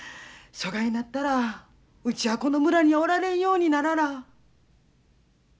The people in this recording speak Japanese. そがいなったらうちはこの村にはおられんようにならら。